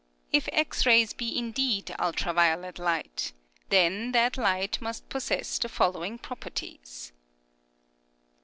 If X rays be indeed ultra violet light, then that light must pos sess the foiling properties.